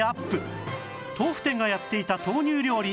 豆腐店がやっていた豆乳料理